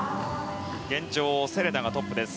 現状セレダがトップです。